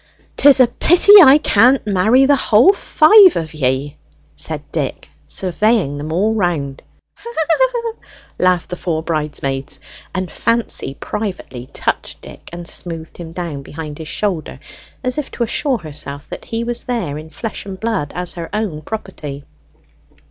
"'Tis a pity I can't marry the whole five of ye!" said Dick, surveying them all round. "Heh heh heh!" laughed the four bridesmaids, and Fancy privately touched Dick and smoothed him down behind his shoulder, as if to assure herself that he was there in flesh and blood as her own property.